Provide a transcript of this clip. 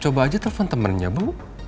coba aja telpon temennya bu